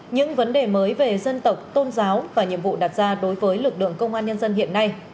những vấn đề mới về dân tộc tôn giáo và nhiệm vụ đặt ra đối với lực lượng công an nhân dân hiện nay